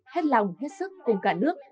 hết lòng hết sức cùng cả nước